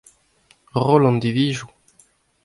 roll an divizoù.